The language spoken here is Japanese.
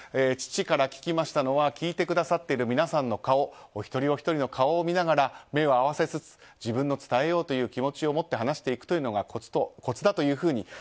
父から聞きましたのは聞いてくださってる皆さんの顔お一人お一人の顔を見ながら目を合わせつつ、自分の伝えようという気持ちを持って話していくというのがコツだというふうに。